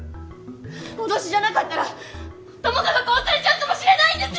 脅しじゃなかったら友果が殺されちゃうかもしれないんですよ！